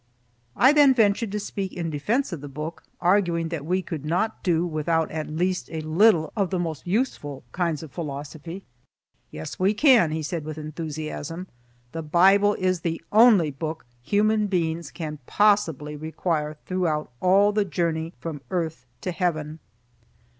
I then ventured to speak in defense of the book, arguing that we could not do without at least a little of the most useful kinds of philosophy. "Yes, we can," he said with enthusiasm, "the Bible is the only book human beings can possibly require throughout all the journey from earth to heaven."